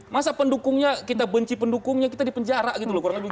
masa pendukungnya kita benci pendukungnya kita di penjara gitu loh